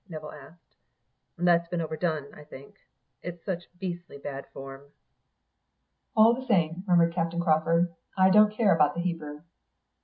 Nevill asked. "That's been overdone, I think; it's such beastly bad form." "All the same," murmured Captain Crawford, "I don't care about the Hebrew."